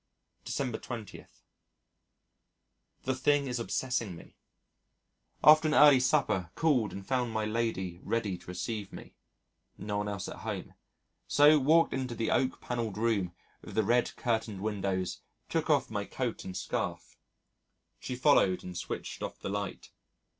December 20. The thing is obsessing me. After an early supper called and found my lady ready to receive me. No one else at home. So walked into the oak panelled room with the red curtained windows, took off my coat and scarf. She followed and switched off the light.